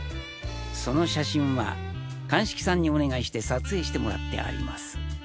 その写真は鑑識さんにお願いして撮影してもらってあります。